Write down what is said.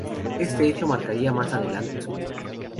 Este hecho marcaría más adelante su vida.